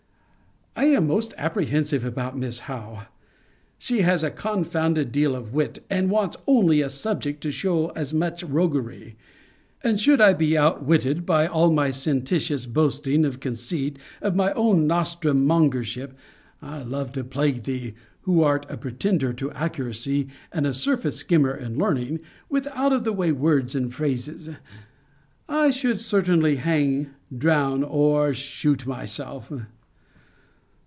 I am most apprehensive about Miss Howe. She has a confounded deal of wit, and wants only a subject, to shew as much roguery: and should I be outwitted with all my sententious boasting of conceit of my own nostrum mongership [I love to plague thee, who art a pretender to accuracy, and a surface skimmer in learning, with out of the way words and phrases] I should certainly hang, drown, or shoot myself.